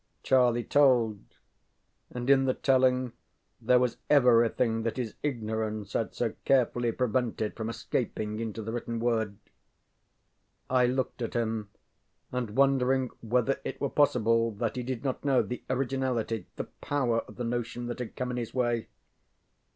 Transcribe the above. ŌĆØ Charlie told, and in the telling there was everything that his ignorance had so carefully prevented from escaping into the written word. I looked at him, and wondering whether it were possible, that he did not know the originality, the power of the notion that had come in his way?